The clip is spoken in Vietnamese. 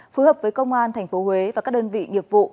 phù hợp với công an tp huế và các đơn vị nghiệp vụ